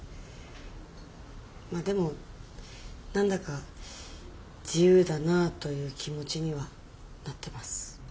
まあでも何だか自由だなという気持ちにはなってます。